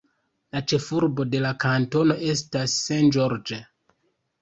La ĉefurbo de la kantono estas St. George.